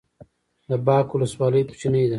د باک ولسوالۍ کوچنۍ ده